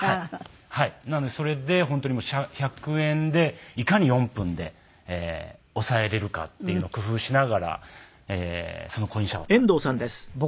なのでそれで本当に１００円でいかに４分で抑えれるかっていうのを工夫しながらそのコインシャワーを使ってましたね。